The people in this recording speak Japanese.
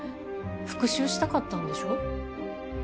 復讐したかったんでしょ？